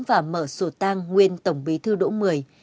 và mở sổ tang nguyên tổng bí thư đỗ mười